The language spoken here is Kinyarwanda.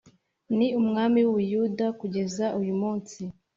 Ni umwami w’u Buyuda kugeza uyu munsi